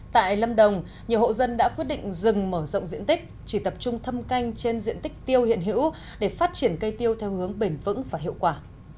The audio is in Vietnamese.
tại lâm đồng nhiều hộ dân đã quyết định dừng mở rộng diện tích chỉ tập trung thâm canh trên diện tích tiêu hiện hữu để phát triển cây tiêu theo hướng bền vững và hiệu quả